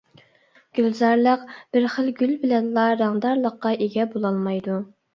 گۈلزارلىق بىر خىل گۈل بىلەنلا رەڭدارلىققا ئىگە بولالمايدۇ.